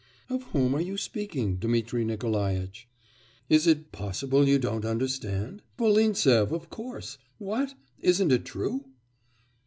'Of whom are you speaking, Dmitri Niklaitch?' 'Is it possible you don't understand? Of Volintsev, of course. What? isn't it true?